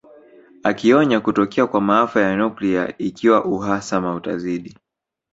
Akionya kutokea kwa maafa ya nuklia ikiwa uhasama utazidi